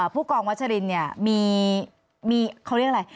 ผู้กองวัชรินเนี่ยมีเขาเรียกอะไร